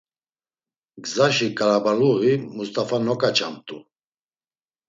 Gzaşi ǩarabaluği Must̆afa noǩaçamt̆u.